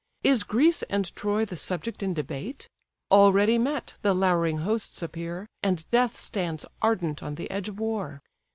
Is Greece and Troy the subject in debate? Already met, the louring hosts appear, And death stands ardent on the edge of war."